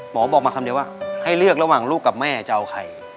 บอกมาคำเดียวว่าให้เลือกระหว่างลูกกับแม่จะเอาใคร